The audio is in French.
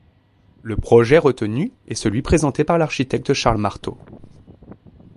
Le projet retenu est celui présenté par l'architecte Charles Marteau.